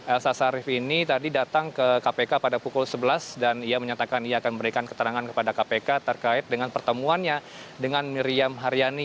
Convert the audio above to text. elsa syarif ini tadi datang ke kpk pada pukul sebelas dan ia menyatakan ia akan memberikan keterangan kepada kpk terkait dengan pertemuannya dengan miriam haryani